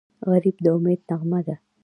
غریب د امید نغمه ده